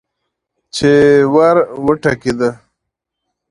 چې ور وټکېده.